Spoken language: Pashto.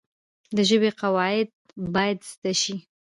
د ژبي قواعد باید زده سي.